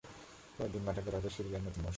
পরদিন মাঠে গড়াবে সিরি আ র নতুন মৌসুম।